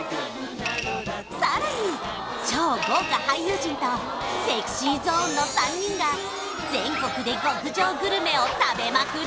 さらに超豪華俳優陣とＳｅｘｙＺｏｎｅの３人が全国で極上グルメを食べまくり！